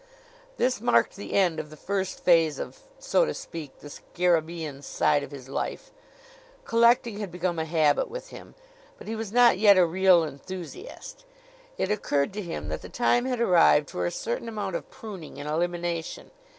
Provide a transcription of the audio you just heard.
This marked the end of the first phase of so to speak the scarabaean side of his life. Collecting had become a habit with him, but he was not yet a real enthusiast. It occurred to him that the time had arrived for a certain amount of pruning and elimination.